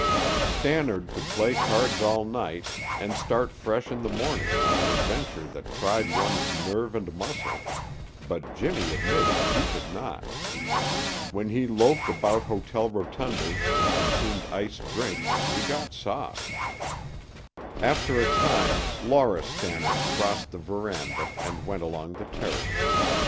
Stannard could play cards all night and start fresh in the morning on an adventure that tried one's nerve and muscle, but Jimmy admitted he could not. When he loafed about hotel rotundas and consumed iced drinks he got soft. After a time, Laura Stannard crossed the veranda and went along the terrace.